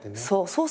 そう。